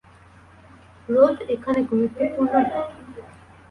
রোধ এখানে গুরুত্বপূর্ণ না।